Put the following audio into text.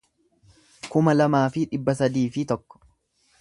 kuma lamaa fi dhibba sadii fi tokko